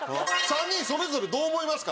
３人それぞれどう思いますか？